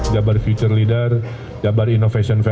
jabar future leader jabar inovasi